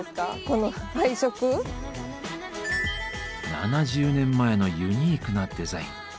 ７０年前のユニークなデザイン。